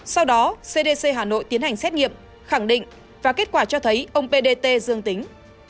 sau đó cdc hà nội tiến hành xét nghiệm khẳng định và kết quả cho thấy ông p d t dương tính